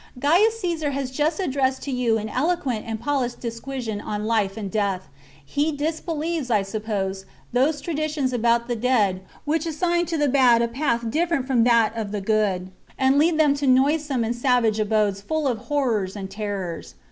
" Gaius Caesar has just addressed to you an eloquent and polished disquisition on life and death. He dis believes, I suppose, those traditions about the dead which assign to the bad a path different from that of the good, and lead them to noisome and savage abodes full of horrors and terrors.